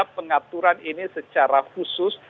pengaturan ini secara khusus